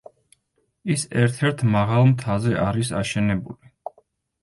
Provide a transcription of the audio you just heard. ის ერთ-ერთ მაღალ მთაზე არის აშენებული.